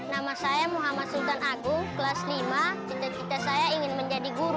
nama saya muhammad sultan agung kelas lima cita cita saya ingin menjadi guru